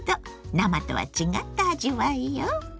生とは違った味わいよ。